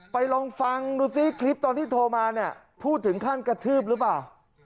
ลองฟังดูซิคลิปตอนที่โทรมาเนี่ยพูดถึงขั้นกระทืบหรือเปล่า